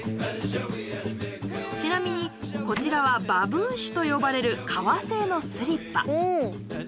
ちなみにこちらはバブーシュと呼ばれる革製のスリッパ。